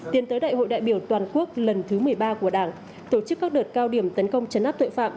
tiến tới đại hội đại biểu toàn quốc lần thứ một mươi ba của đảng tổ chức các đợt cao điểm tấn công chấn áp tội phạm